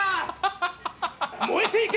燃えていけ！